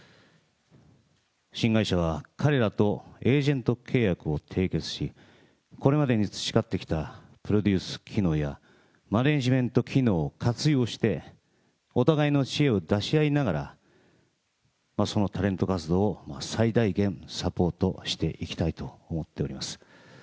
新会社は彼らとエージェント契約を締結し、これまでに培ってきたプロデュース機能やマネージメント機能を活用して、お互いの知恵を出し合いながら、そのタレント活動を最大限サポートしていきたいと思っております。